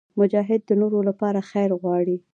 مجاهد د نورو لپاره خیر غواړي.